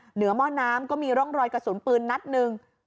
หม้อน้ำก็มีร่องรอยกระสุนปืนนัดหนึ่ง